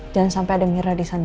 jangan sampai ada mirna disana